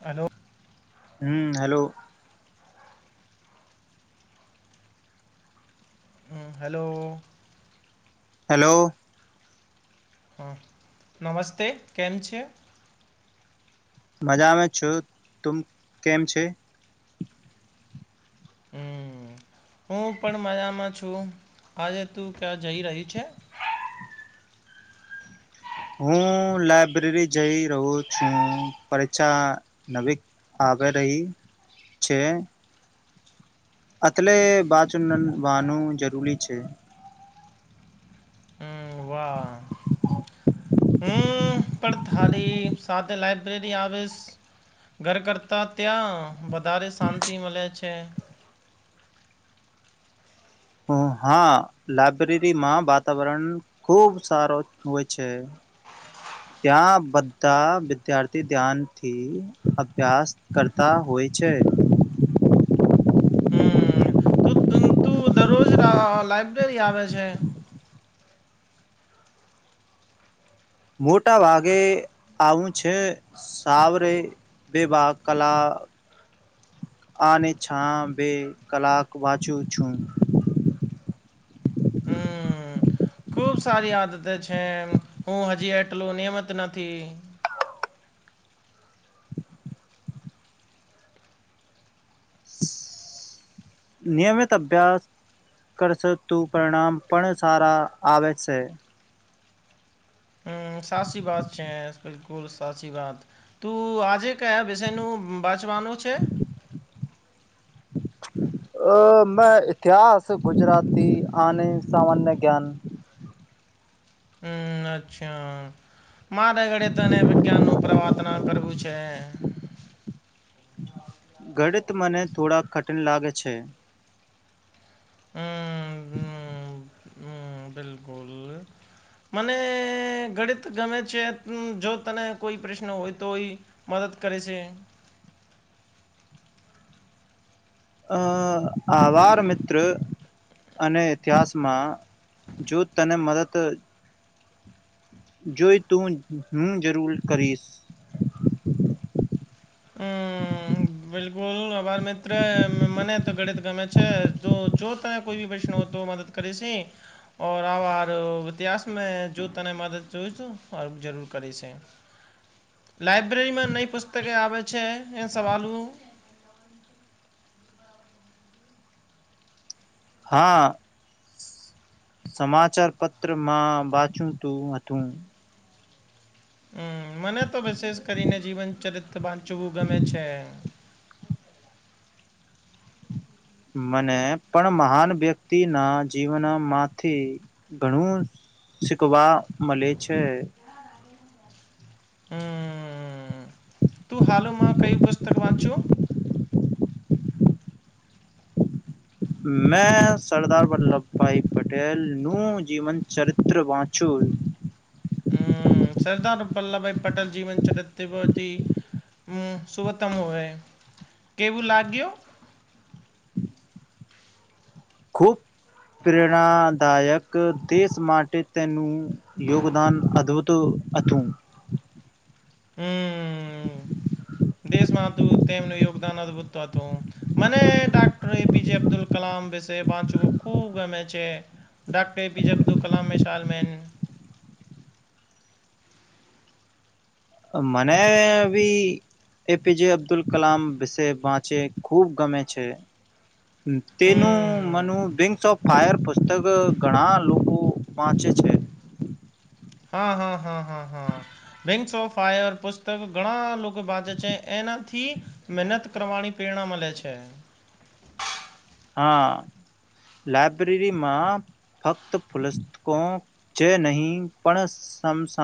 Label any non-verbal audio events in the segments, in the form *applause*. Hello. હમ્મ hello. *inaudible* હમ્મ hello. Hello હમ્મ નમસ્તે કેમ છે? મજામાં છું તુંમ કેમ છે? હમ્મ હું પણ મજામાં છું આજે તું ક્યાં જઈ રહી છે હું લાયબ્રેરી જઈ રહું છું પરીક્ષા નવી આવે રહી છે. અટલે બાજું નવાનું જરૂરી છે. હમ્મ વાહ હમ્મ પણ થારી સાથે લાઈબ્રેરી આવેશ ઘર કરતાં ત્યાં વધારે શાંતિ મલે છે. હમ્મ હા લાયબ્રેરીમાં વાતાવરણ ખુબ સારો હોય છે. ત્યાં બધા વિદ્યાર્થી ધ્યાન થી અભ્યાસ કરતા હોય છે. હમ્મ તું તું દરરોજ લા લાઈબ્રેરી આવે છે. મોટા ભાગે આવું છે. સાવરે વિભાગ કલા આને છા બે કલાક વાંચું છું. હમ્મ. ખૂબ સારી આદતે છે હું હજી એટલું નિયમત નથી નિયમિત અભ્યાસ કરશો તું પરિણામ પણ સારા આવે છે. હમ્મ સાસી બાત છે બિલકુલ સાસી બાત તું આજે કયા વિષયનું બાચવાનું છે અ મેં ઇતિહાસ ગુજરાતી આને સામાન્ય જ્ઞાન હમ્મ અચ્છા મારે ગળે તને વિજ્ઞાન નું પ્રવાર્તન કરવું છે ઘડિત મને થોડાક કઠિન લાગે છે. હમ. *inaudible* હમ બિલકુલ મને ગણિત ગમે છે જો તને કોઈ પ્રશ્ન હોય તો ઈ મદદ કરે છે. અ આવાર મિત્ર અને ઇતિહાસમાં જો તને મદદ જોઈ તું હું જરૂર કરીશ. *inaudible* હમ્મ, બિલકુલ આભાર મિત્ર મને તો ગણિત ગમે છે જો તમે કોઈ બી પ્રશ્ન હો તો મ કરીશે. આર ઈતિહાસ મે જો તને મદદ જો જરૂર કરી છે. લાઇબ્રેરીમાં નહી પુસ્તકે આવે છે એ સવાલ ઉ *unintelligible* હા. સમાચાર પત્ર માં વાંચું તું હતું. હમ મને તો વિશેષ કરીને જીવન ચરિત્ર વાંચવું ગમે છે. મને પણ મહાન વ્યક્તિ ના જીવનમાંથી ઘણું શીખવા મલે છે. હમ. હમ તું હાલમાં કઈ પુસ્તક વાંચું? મેં સરદાર વલ્લભભાઈ પટેલ નું જીવન ચરિત્ર વાંચું. હમ સરદાર વલ્લભભાઈ પટેલ જીવન ચરિત ભતી હમ સુવતમ હોય કેવું લાગ્યું? ખૂબ પ્રેરણાદાયક દેશ માટે તેનું યોગદાન અદભૂત હતું. હમ દેશમાં હતું તેમનું યોગદાન અદભુત હતું. મને ડાક્ટર એપીજ અબ્દુલ કલામ વિશે વાચવું ખૂબ ગમે છે. ડાક્ટર એ પી જે અબદુલકલામ મે શાલમન મને ભી એ પીજ અબ્દુલ કલામ વિશે વાંચે ખૂબ ગમે છે. તેનું હમ્મ. મનુ બેંક શોપ ફાયર પુસ્તક ઘણા લોકો વાંચે છે. હા, હા, હા, હા, હા. બિન્ંગસ ઓફ ફાયર પુસ્તક ઘણા લોકો વાંચે છે એનાથી મહેનત કરવાની પ્રેરણા મળે છે. હા લાયબ્રેરીમાં ફક્ત પુલસ્તકો જે નહીં પણ સમસ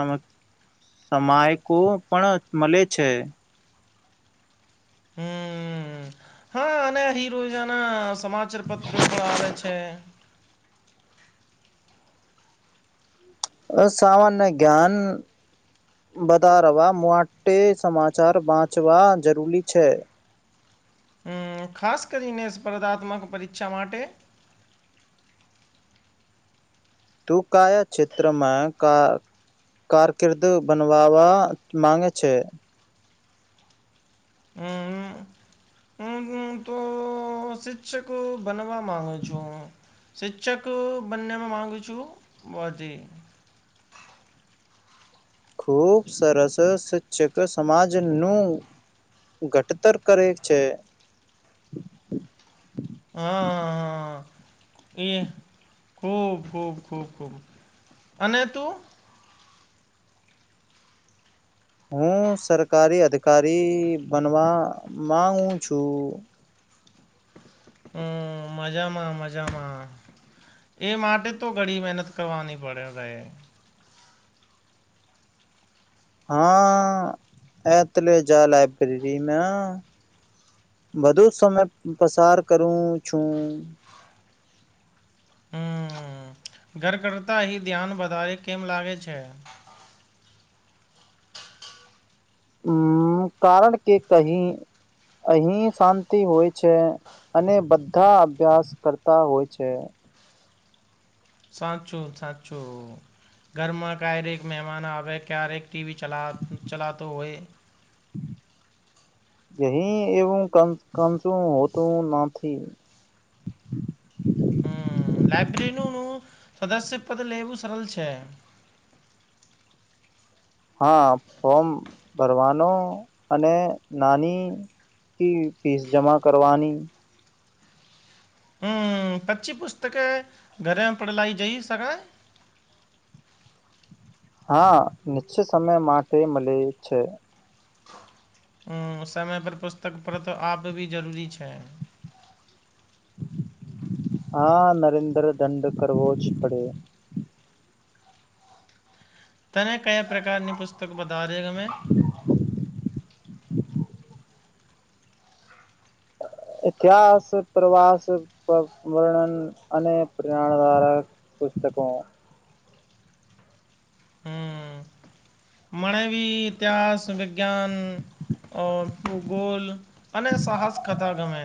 સમાયકો પણ મળે છે. હમ. હા અને અહીં રોજના સમાચાર પત્ર પણ આવે છે. અ સામાન્ય જ્ઞાન વધારવા માટે સમાચાર વાંચવા જરૂરી છે. ખાસ કરીને સ્પર્ધાત્મક પરીક્ષા માટે તું કયા ક્ષેત્રમાં કા કારકિર્દી બનાવવા માંગે છે. હમ હું હું તો શિક્ષક બનવા માંગું છું. શિક્ષક બનવા માગું છું. *unintelligible* ખુબ સરસ શિક્ષક સમાજનું ઘડતર કરે છે. *unintelligible* એ ખૂબ, ખૂબ, ખૂબ, ખૂબ અને એતો હું સરકારી અધિકારી બનવા માગું છું. હમ, મજામાં મજામાં. એ માટે તો ઘણી મહેનત કરવાની પડે રહે. હા *unintelligible* વધુ સમય પસાર કરું છું. હમ ઘર કરતાં અહીં ધ્યાન વધારે કેમ લાગે છે? અમ કારણ કે કહી અહી શાંતિ હોય છે. અને બધા અભ્યાસ કરતા હોય છે. સાચું, સાચું. ઘરમાં ક્યારેક મહેમાન આવે, ક્યારેક ટીવી ચલાવતો હોય. *unintelligible* હોતું નથી. હમ, લાઈબ્રેરીનું સદસ્ય પદ લેવું સરળ છે. હા, ફોમ ભરવાનો અને નાની *unintelligible* ફીસ જમા કરવાની. હમ, અચ્છી પુસ્તક ઘરે પડલાઈ જઈ શકાય? હા, નિશ્ચિત સમય માટે મલે છે. સમય પર પુસ્તક આપવી જરૂરી છે. હા, નરેન્દ્ર દંડ કરવો જ પડે. તને કયા પ્રકારની પુસ્તક વધારે ગમે? *unintelligible* ઇતિહાસ, પ્રવાસ, વર્ણન, અને પુસ્તકો હમ મને બી ઇતિહાસ, વિજ્ઞાન અ ભૂગોલ અને સાહસકથા ગમે.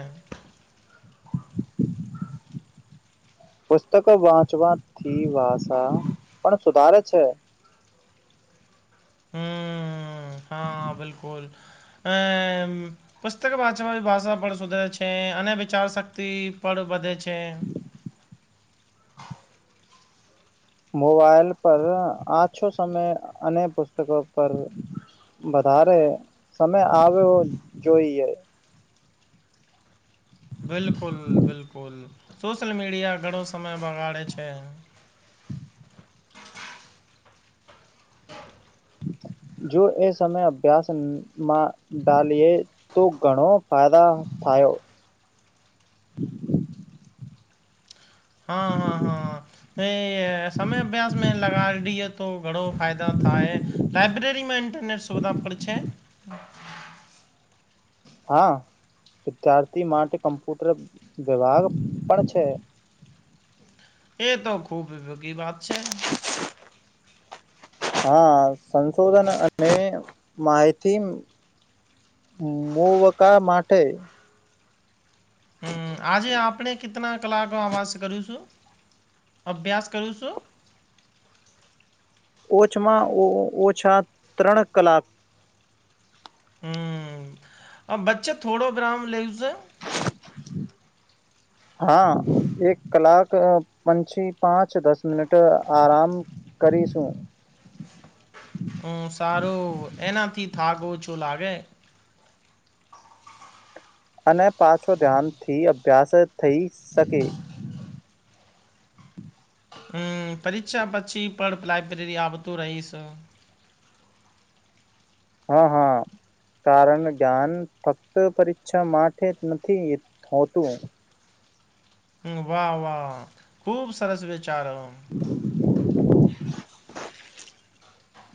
પુસ્તકો વાંચવાથી ભાષા પણ સુધારે છે. હમ, હા, બિલકુલ. પુસ્તક વાંચવાથી ભાષા પણ સુધરે છે, અને વિચાર શક્તિ પણ વધે છે. મોબાઈલ પર ઓછો સમય અને પુસ્તકો પર વધારે સમય આપવો જોઈએ. બિલકુલ, બિલકુલ, સોશલ મીડિયા ઘણો સમય બગાડે છે. જો એ સમય અભ્યાસમાં ડાલએ તો ઘણો ફાયદા થાય. હ, હ, હ. એ સમય અભ્યાસમાં લગાડીએ, તો ઘણો ફાયદા થાય. લાયબ્રેરીમાં ઇન્ટરનેટની સુવિધા પડે છે. હા, વિદ્યાર્થી માટે કમ્પ્યુટર વિભાગ પણ છે. એ તો ખુબ વાત છે. હા, સંશોધન અને માહિતી મો વકા માટે. હ, આજે આપણે કેટલા કલાકો અભ્યાસ કરું છું, અભ્યાસ કરું છું. ઓછમાં ઓ ઓછા ત્રણ કલાક. હમ, બચ્ચા થોડો બ્રામ લેવઝ. હા, એક કલાક પછી પાંચ દસ મિનિટ આરામ. કરીશું. હમ, સારું, એનાથી થાક ઓછું લાગે. અને પાછો ધ્યાન થી અભ્યાસ થઈ શકે. હમ, પરીક્ષા પછી પણ લાયબ્રેરી આવતું રહીશ. હા, હા. કારણ જ્ઞાન ફક્ત પરીક્ષા માટે નથી હોતું. હમ વાહ! વાહ! ખુબ સરસ વિચાર.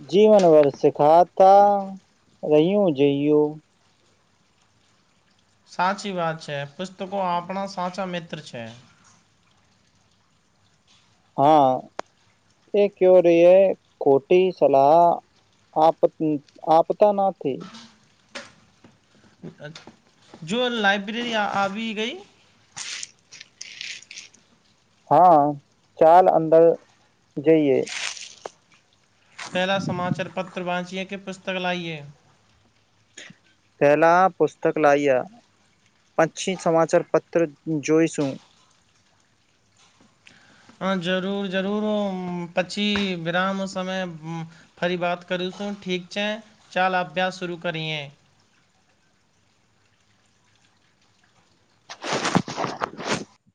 જીવન વર સીખાતા રહય્યું જઈઓ. સાચી વાત છે. પુસ્તકો આપણા સાચા મિત્ર છે. હા એ ક રહી હૈ કોટી સલાહ. આપ આપતા નાથી. જો લાઇબ્રેરી આવી આવી ગઈ? હા ચાલ અંદર જઈએ. પહેલા સમાચાર પત્ર વાંચીએ કે પુસ્તક લાઈએ? પહેલા પુસ્તક લાવ્યા. પછી સમાચાર પત્ર જોઈશું. હ જરૂર જરૂર પછી વિરામ સમય. ફરી બાત કરું છું ઠીક છે. ચાલ અભ્યાસ શરૂ કરીએ.